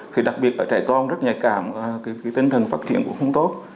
thì đặc biệt ở trẻ con rất nhạy cảm và tinh thần phát triển cũng không tốt